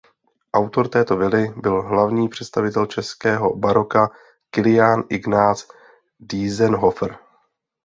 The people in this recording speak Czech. Autor této vily byl hlavní představitel českého baroka Kilián Ignác Dientzenhofer.